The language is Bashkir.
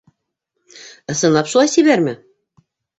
Ысынлап шулай сибәрме?